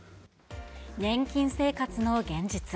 年金生活の現実。